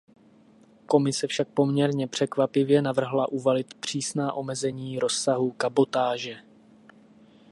Komise však poměrně překvapivě navrhla uvalit přísná omezení rozsahu kabotáže.